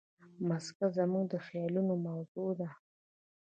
مځکه زموږ د خیالونو موضوع ده.